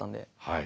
はい。